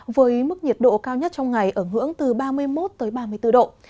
với mức nhiệt độ cao nhất trong ngày ở ngưỡng từ ba mươi một ba mươi bốn độ